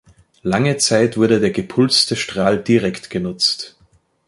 Lange Zeit wurde der gepulste Strahl direkt genutzt.